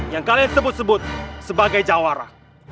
yang kalian sebut sebut sebagai jawara